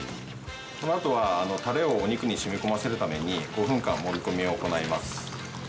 この後はタレをお肉に染み込ませるために５分間もみ込みを行います。